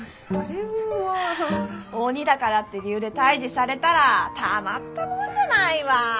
鬼だからって理由で退治されたらたまったもんじゃないわ。